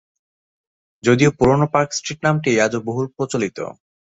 যদিও পুরনো Park Street নামটি আজও বহুল প্রচলিত।